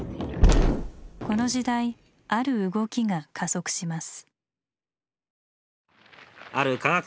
この時代ある動きが加速します。